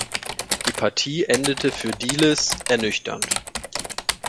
Die Partie endete für Dielis ernüchternd.